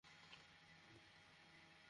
এখন তুমি এভাবেই দিল্লি দেখবে।